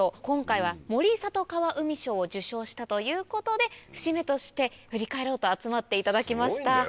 今回は森里川海賞を受賞したということで節目として振り返ろうと集まっていただきました。